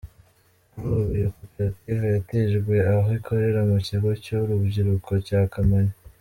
Kuri ubu, iyi koperative yatijwe aho ikorera mu Kigo cy’Urubyiruko cya Kamonyi.